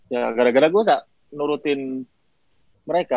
ya gara gara gue gak nurutin mereka